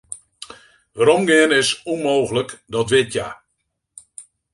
Weromgean is ûnmooglik, dat wit hja.